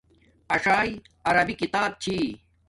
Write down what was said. اݽݵ عربی کتاب چھی